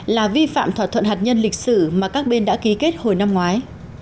là vi phạm thỏa thuận hạt nhân lịch sử mà các bên đã ký kết hồi năm ngoái